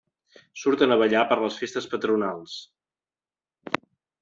Surten a ballar per les festes patronals.